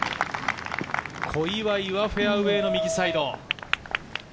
小祝はフェアウエーの右サイド。